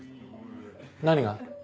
何が？